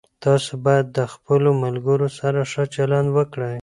تاسو باید له خپلو ملګرو سره ښه چلند وکړئ.